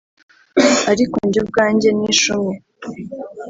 ariko njyewe ubwanjye nishe umwe